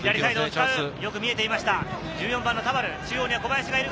よく見えていました、田原。